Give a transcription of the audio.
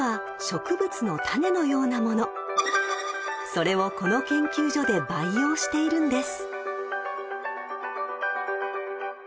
［それをこの研究所で培養しているんです］